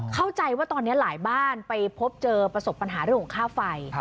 เข้าใจว่าตอนนี้หลายบ้านไปพบเจอประสบปัญหาเรื่องของค่าไฟ